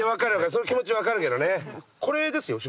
その気持ち分かるけどね。